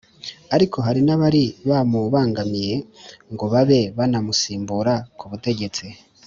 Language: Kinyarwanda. ariko hari n'abari bamubangamiye ngo babe banamusimbura ku butegetsi